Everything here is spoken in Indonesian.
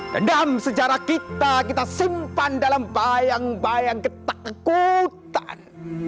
dendam sejarah kita kita simpan dalam bayang bayang ketakutan